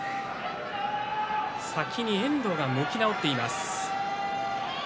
先に遠藤が向き直っています。